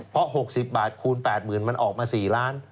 เพราะ๖๐บาทคูณ๘๐๐๐มันออกมา๔ล้าน